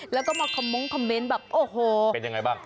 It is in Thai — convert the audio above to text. แล้วก็มาคอมมงคอมเมนต์แบบโอ้โหเป็นยังไงบ้าง